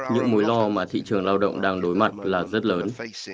những mối lo mà thị trường lao động đang đối mặt là rất lớn